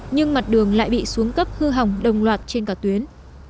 nhưng mặt đường lại bị xuống cấp hư hỏng đồng loạt trên cả tuyến